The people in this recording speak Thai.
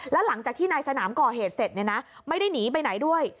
แล้วหลังจากที่นายสนามก่อเหตุเสร็จไม่ได้หนีไปไหนด้วย